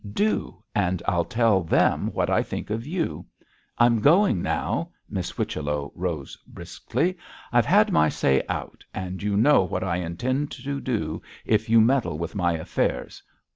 'Do, and I'll tell them what I think of you. I'm going now.' Miss Whichello rose briskly. 'I've had my say out, and you know what I intend to do if you meddle with my affairs.